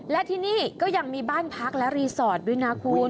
และที่นี่ก็ยังมีบ้านพักและรีสอร์ทด้วยนะคุณ